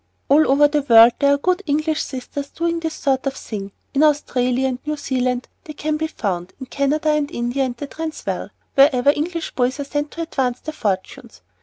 All over the world there are good English sisters doing this sort of thing. In Australia and New Zealand they are to be found, in Canada, and India, and the Transvaal, wherever English boys are sent to advance their fortunes.